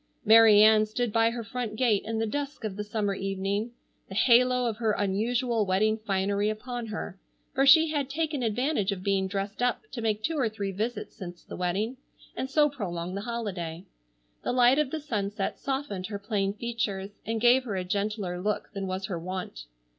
Mary Ann stood by her front gate in the dusk of the summer evening, the halo of her unusual wedding finery upon her, for she had taken advantage of being dressed up to make two or three visits since the wedding, and so prolong the holiday. The light of the sunset softened her plain features, and gave her a gentler look than was her wont.